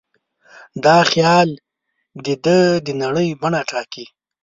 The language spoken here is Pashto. دا خیال د ده د نړۍ بڼه ټاکي.